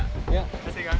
saya ngijaknya saya sedikit